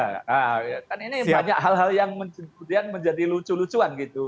kan ini banyak hal hal yang kemudian menjadi lucu lucuan gitu